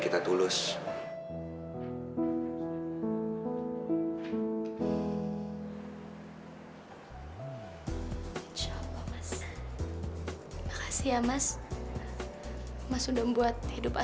sampai jumpa di video selanjutnya